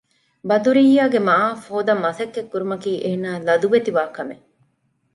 ބަދުރިއްޔާގެ މަޢާފް ހޯދަން މަސައްކަތް ކުރުމަކީ އޭނާ ލަދުވެތިވާ ކަމެއް